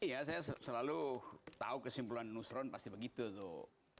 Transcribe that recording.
iya saya selalu tahu kesimpulan nusron pasti begitu tuh